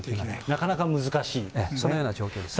なかなか難しい、そのような状況ですね。